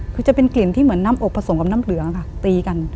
คือจะเป็นกลิ่นที่เหมือนน้ำอบผสมกับน้ำเหลืองค่ะตีกัน